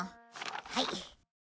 はい。